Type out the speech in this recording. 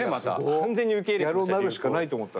完全に受け入れてました。